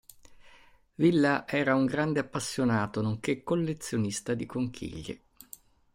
Villa era un grande appassionato, nonché collezionista, di conchiglie.